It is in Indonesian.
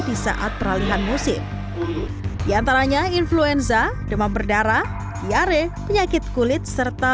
di saat peralihan musim diantaranya influenza demam berdarah diare penyakit kulit serta